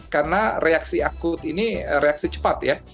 karena reaksi akut ini reaksi cepat ya